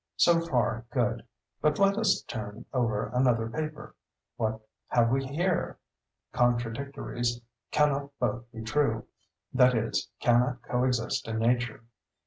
So far good—but let us turn over another paper. What have we here?—"Contradictories cannot both be true—that is, cannot co exist in nature."